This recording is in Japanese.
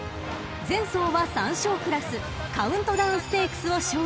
［前走は３勝クラスカウントダウンステークスを勝利］